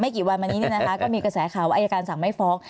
กี่วันมานี้ก็มีกระแสข่าวว่าอายการสั่งไม่ฟ้อง